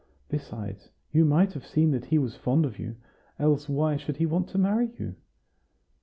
Besides, you might have seen that he was fond of you; else why should he want to marry you?"